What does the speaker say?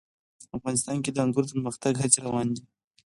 افغانستان کې د انګور د پرمختګ هڅې روانې دي.